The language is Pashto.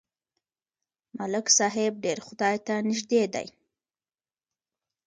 ملک صاحب ډېر خدای ته نږدې دی.